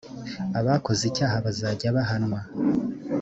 abakozicyaha bazajya bahanwa.